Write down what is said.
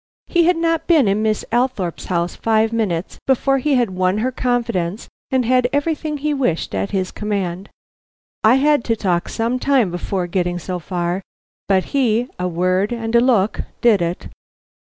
He had not been in Miss Althorpe's house five minutes before he had won her confidence and had everything he wished at his command. I had to talk some time before getting so far, but he a word and a look did it.